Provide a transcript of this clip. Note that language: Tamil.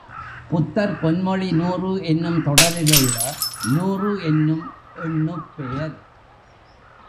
புத்தர் பொன்மொழி நூறு என்னும் தொடரில் உள்ள நூறு என்னும் எண்ணுப் பெயர்.